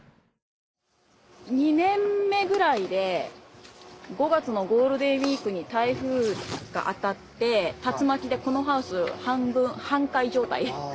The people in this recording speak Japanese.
２年目ぐらいで５月のゴールデンウィークに台風が当たって竜巻でこのハウス半分半壊状態。